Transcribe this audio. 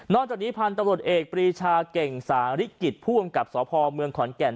นอกจากนี้ผ่านตำรวจเอกปรีชาเก่งสาหรี่กิจผู้บังกับสภพเมืองขอนแก่น